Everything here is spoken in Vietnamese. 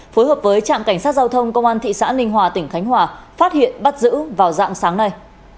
phối hợp với trạm cảnh sát giao thông công an thị xã ninh hòa tỉnh khánh hòa phát hiện bắt giữ vào dạng sáng nay